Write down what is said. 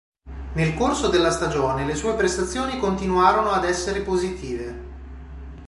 Nel corso della stagione le sue prestazioni continuarono ad essere positive.